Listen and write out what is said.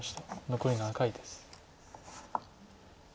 残り７回です。